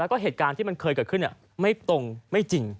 แล้วก็เหตุการณ์ที่มันเคยเกิดขึ้นไม่ตรงไม่จริง